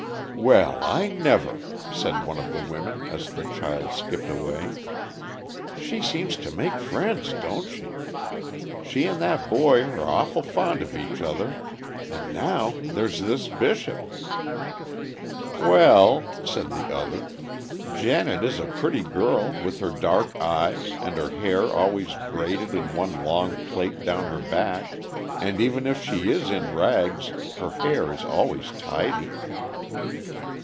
"Well, I never!" said one of the women, as the child skipped away. "She seems to make friends, don't she? She and that boy are awful fond of each other; and now there 's this Bishop!" "Well," said the other, "Janet is a pretty girl, with her dark eyes, and her hair always braided in one long plait down her back—and even if she is in rags, her hair is always tidy."